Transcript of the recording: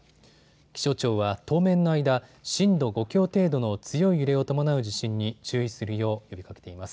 気象庁は当面の間、震度５強程度の強い揺れを伴う地震に注意するよう呼びかけています。